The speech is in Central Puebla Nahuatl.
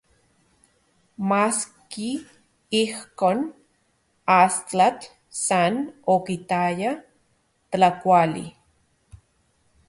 Maski ijkon, astatl san okitaya tlakuali.